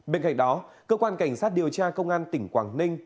bên cạnh đó cơ quan cảnh sát điều tra công an tỉnh quảng ninh